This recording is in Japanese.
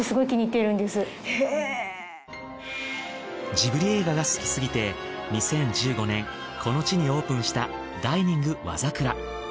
ジブリ映画が好きすぎて２０１５年この地にオープンしたｄｉｎｉｎｇ和桜。